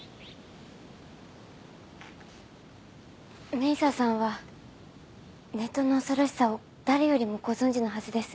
明紗さんはネットの恐ろしさを誰よりもご存じのはずです。